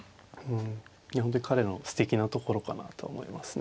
本当に彼のすてきなところかなと思いますね。